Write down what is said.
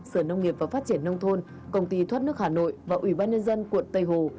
sở nông nghiệp và phát triển nông thôn công ty thoát nước hà nội và ubnd tp tây hồ